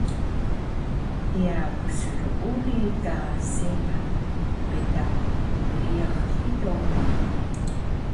Iya psluuli ka seang betaq priyax hido ma